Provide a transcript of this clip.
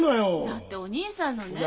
だってお義兄さんのね。